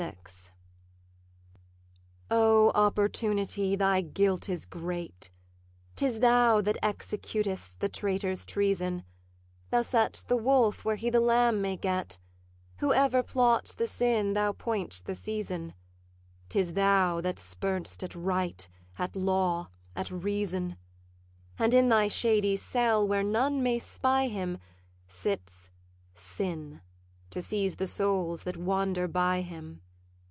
'O Opportunity, thy guilt is great! 'Tis thou that executest the traitor's treason: Thou set'st the wolf where he the lamb may get; Whoever plots the sin, thou point'st the season; 'Tis thou that spurn'st at right, at law, at reason; And in thy shady cell, where none may spy him, Sits Sin, to seize the souls that wander by him.